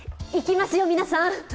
いきますよ、皆さん！